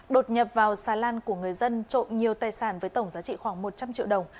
đột nhập vào xà lan của người dân trộm nhiều tài sản với tổng giá trị khoảng một trăm linh triệu đồng